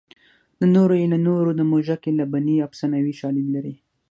د نورو یې له نورو د موږک یې له بنۍ افسانوي شالید لري